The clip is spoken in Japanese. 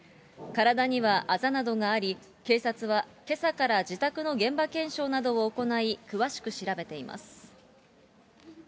体にはあざなどがあり、警察は、けさから自宅の現場検証などを行い、詳しく調べています。